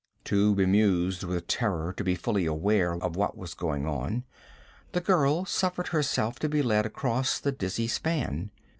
Too bemused with terror to be fully aware of what was going on, the girl suffered herself to be led across the dizzy span.